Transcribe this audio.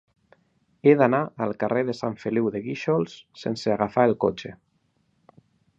He d'anar al carrer de Sant Feliu de Guíxols sense agafar el cotxe.